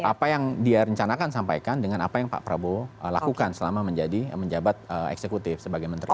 jadi apa yang dia rencanakan sampaikan dengan apa yang pak prabowo lakukan selama menjadi menjabat eksekutif sebagai menteri